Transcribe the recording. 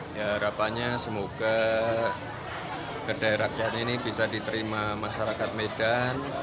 ya harapannya semoga kedai rakyat ini bisa diterima masyarakat medan